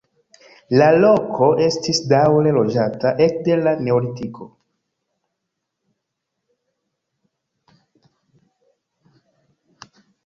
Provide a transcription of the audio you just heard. La loko estis daŭre loĝata ekde la neolitiko.